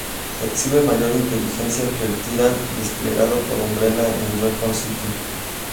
Exhibe mayor inteligencia que el Tyrant desplegado por Umbrella en Raccoon City.